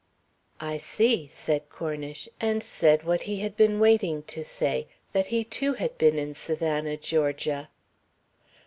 "I see," said Cornish, and said what he had been waiting to say: That he too had been in Savannah, Georgia.